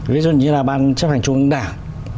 ví dụ như là ban chấp hành trung ương đảng